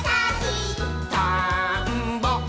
「たんぼっ！」